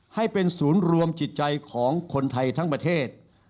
ให้เป็นศูนย์รวมจิตใจของคนไทยทั้งประเทศ